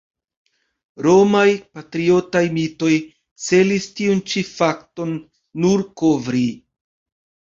Romaj patriotaj mitoj celis tiun ĉi fakton nur kovri.